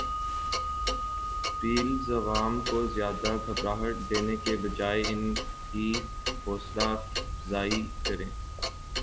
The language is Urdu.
پیلز عوام کو زیادہ گھبراہٹ دینے کے بجاے ان کی حوصلہ افزائی کریں